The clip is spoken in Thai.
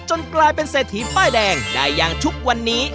จนกลายเป็นเศษหินป้ายแดงได้ยางทุกวันนี้